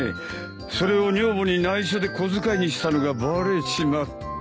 それを女房に内緒で小遣いにしたのがバレちまって。